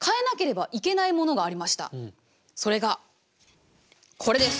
それがこれです！